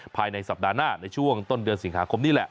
ภายในสัปดาห์หน้าในช่วงต้นเดือนสิงหาคมนี่แหละ